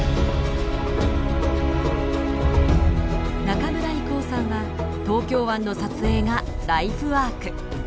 中村征夫さんは東京湾の撮影がライフワーク。